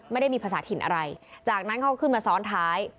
ไม่ได้มีภาษาถิ่นอะไรจากนั้นเขาก็ขึ้นมาซ้อนท้าย